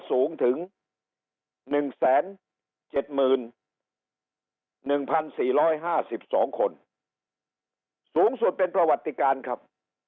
สูงถึง๑๗๑๔๕๒คนสูงสุดเป็นประวัติการครับ